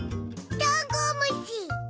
ダンゴムシ！